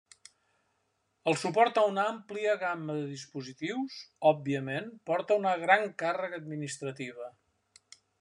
El suport a una àmplia gamma de dispositius, òbviament, porta una gran càrrega administrativa.